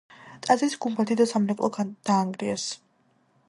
ტაძრის გუმბათი და სამრეკლო დაანგრიეს.